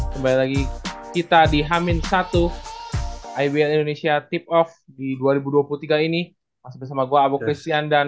kembali lagi kita di hamin satu ibl indonesia tip of di dua ribu dua puluh tiga ini masih bersama gue abu christian dan